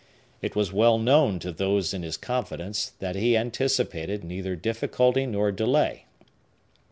It was well known, to those in his confidence, that he anticipated neither difficulty nor delay.